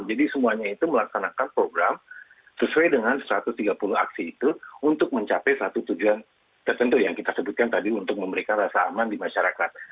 jadi semuanya itu melaksanakan program sesuai dengan satu ratus tiga puluh aksi itu untuk mencapai satu tujuan tertentu yang kita sebutkan tadi untuk memberikan rasa aman di masyarakat